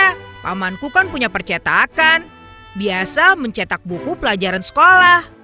karena pamanku kan punya percetakan biasa mencetak buku pelajaran sekolah